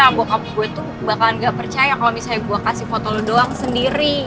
gue tuh bakalan gak percaya kalau misalnya gue kasih foto lu doang sendiri